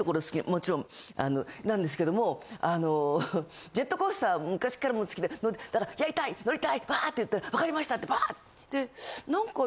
もちろんなんですけどもジェットコースター昔から好きでだから「やりたい乗りたい」って言ったら「わかりました」って。